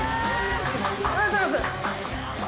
おはようございます。